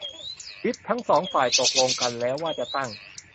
วิปทั้งสองฝ่ายตกลงกันแล้วว่าจะตั้ง